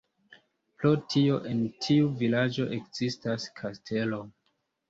Pro tio en tiu vilaĝo ekzistas kastelo.